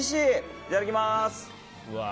いただきます。